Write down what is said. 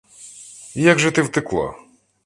Як же ти втекла?